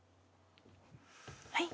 はい？